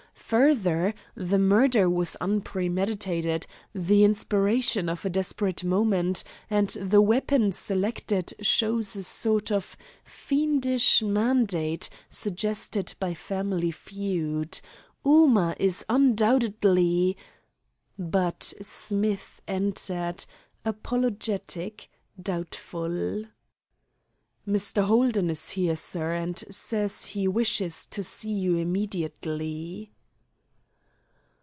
Further, the murder was unpremeditated, the inspiration of a desperate moment, and the weapon selected shows a sort of fiendish mandate suggested by family feud. Ooma is undoubtedly " But Smith entered, apologetic, doubtful. "Mr. Holden is here, sir, and says he wishes to see you immediately."